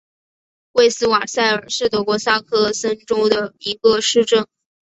魏斯瓦塞尔是德国萨克森州的一个市镇。